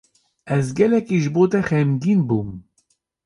Ez gelekî ji bo te xemgîn bûm.